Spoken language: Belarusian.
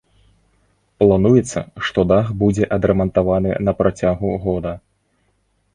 Плануецца, што дах будзе адрамантаваны на працягу года.